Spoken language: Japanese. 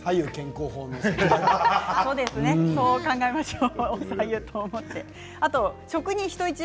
そう考えましょう。